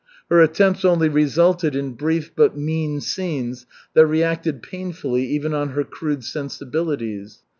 Her attempts only resulted in brief but mean scenes that reacted painfully even on her crude sensibilities.